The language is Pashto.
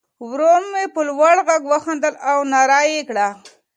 ورور مې په لوړ غږ وخندل او ناره یې کړه.